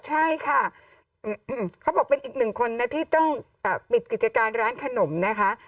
ใช่ค่ะเขาบอกเป็นอีกหนึ่งคนนะที่ต้องปิดกิจการร้านขนมนะคะ